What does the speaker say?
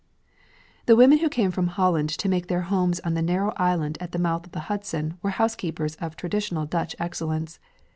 The women who came from Holland to make their homes on the narrow island at the mouth of the Hudson were housekeepers of traditional Dutch excellence.